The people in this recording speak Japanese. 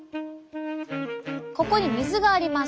ここに水があります。